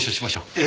え？